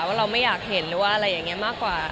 ว่าเราไม่อยากเห็นหรือว่าอะไรอย่างนี้มากกว่า